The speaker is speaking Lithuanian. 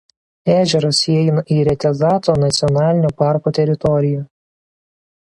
Ežeras įeina į Retezato nacionalinio parko teritoriją.